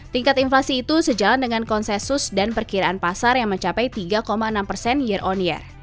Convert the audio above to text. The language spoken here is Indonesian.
tingkat inflasi itu sejalan dengan konsensus dan perkiraan pasar yang mencapai tiga enam persen year on year